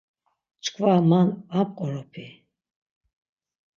Çkva man va mqoropi?